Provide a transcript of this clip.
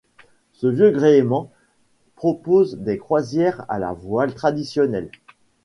Ce vieux gréement propose des croisières à la voile traditionnelle.